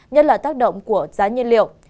nhất là tác động của giá nhiên liệu